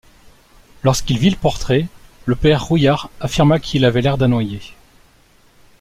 Lorsqu'il vit le portrait, le père Rouillard affirma qu'il avait l'air d'un noyé.